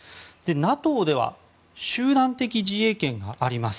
ＮＡＴＯでは集団的自衛権があります。